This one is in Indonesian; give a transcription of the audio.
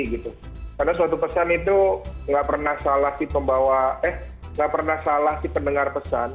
karena suatu pesan itu nggak pernah salah si pendengar pesan